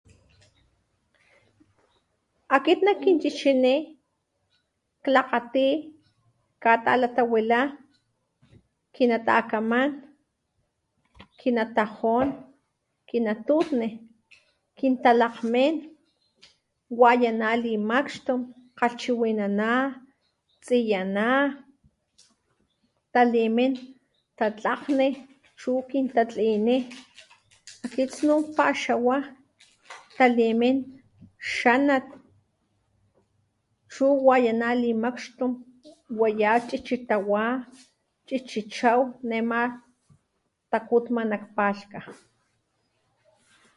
Akit ni kan chichiní klakgati katálatawilá kinatakamán kinatajon kinatutni kintalakgmin wayaná limaxtu kgalhchiwinaná tsiyaná talimín tatlakgni chu kintatliní akit snun kkaxawá talimín xanat chu wayaná limakxtun wayá chichi tawá chichi chaw nema takut ma nak palhka.